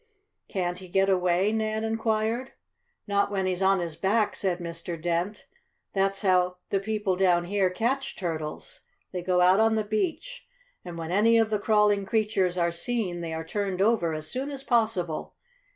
"Can't he get away?" Nan inquired. "Not when he's on his back," said Mr. Dent. "That's how the people down here catch turtles. They go out on the beach, and when any of the crawling creatures are seen, they are turned over as soon as possible.